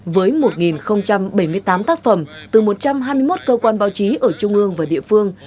với một bảy mươi tám tác phẩm từ một trăm hai mươi một cơ quan báo chí ở trung ương và địa phương